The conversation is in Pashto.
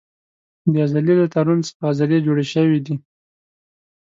د عضلې له تارونو څخه عضلې جوړې شوې دي.